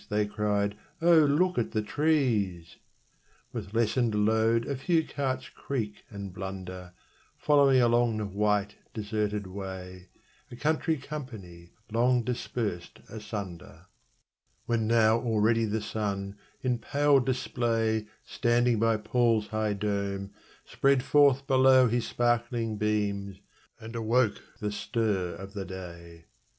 they cried, 'O look at the trees!' With lessened load a few carts creak and blunder, Following along the white deserted way, A country company long dispersed asunder: When now already the sun, in pale display Standing by Paul's high dome, spread forth below His sparkling beams, and awoke the stir of the day.